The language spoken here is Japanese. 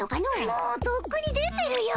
もうとっくに出てるよ。